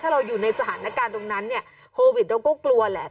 ถ้าเราอยู่ในสถานการณ์ตรงนั้นเนี่ยโควิดเราก็กลัวแหละ